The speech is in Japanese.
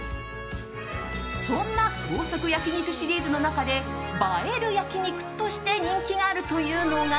そんな創作焼肉シリーズの中で映える焼き肉として人気があるというのが